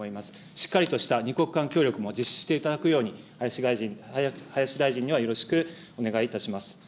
しっかりとした２国間協力も実施していただくように、林大臣にはよろしくお願いいたします。